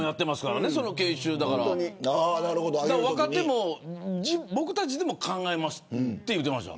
若手も、僕たちでも考えますと言ってました。